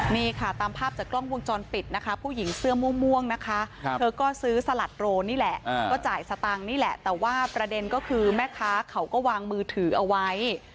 นี่ค่ะตามภาพจากกล้องวงจรปิดนะคะผู้หญิงเสื้อม่วงนะคะเธอก็ซื้อสลัดโรนนี่แหละก็จ่ายสตางค์นี่แหละแต่ว่าประเด็นก็คือแม่ค้าเขาก็วางมือถือเอาไว้